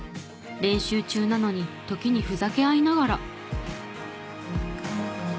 練習中なのに時にふざけ合いながら。